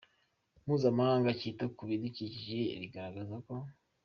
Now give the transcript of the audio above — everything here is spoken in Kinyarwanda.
Mpuzamahanga cyita ku bidukikije rigaragaza ko.